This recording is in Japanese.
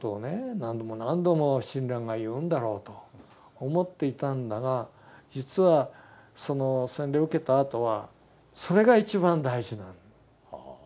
何度も何度も親鸞が言うんだろうと思っていたんだが実はその洗礼を受けたあとはそれが一番大事なんだ。